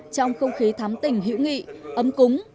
trong không khí thám tình hữu nghị ấm cúng